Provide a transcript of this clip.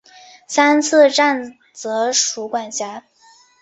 三次站则属管辖。